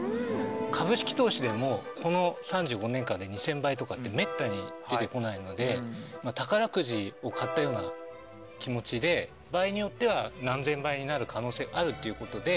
株式投資でもこの３５年間で２０００倍とかってめったに出て来ないので宝くじを買ったような気持ちで場合によっては何千倍になる可能性があるっていうことで。